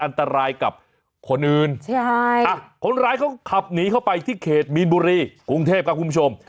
คนร้ายเขาขับหนีเข้าไปที่เขตมีนบุรีกรุงเทพกับคุณผู้ชม